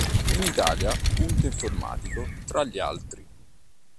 In Italia "Punto Informatico" tra gli altri.